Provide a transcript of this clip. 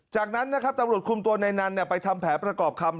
จากนั้นนะครับตำรวจคุมตัวในนั้นไปทำแผนประกอบคำ